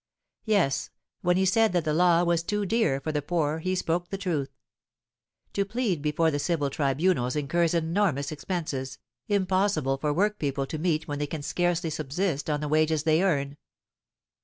Yes, when he said that the law was too dear for the poor he spoke the truth. To plead before the civil tribunals incurs enormous expenses, impossible for workpeople to meet when they can scarcely subsist on the wages they earn.